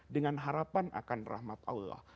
dengan harapan akan rahmat allah